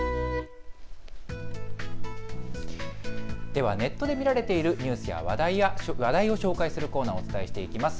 ではネットで見られているニュースや話題を紹介するコーナーをお伝えしていきます。